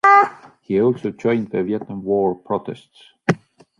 He also joined the Vietnam War Protests.